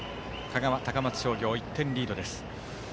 １高松商業、１点リードです。